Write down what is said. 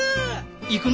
行くの？